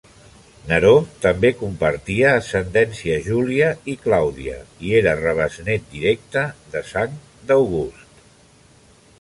Neró també compartia ascendència Júlia i Clàudia, i era rebesnét directe de sang d'August.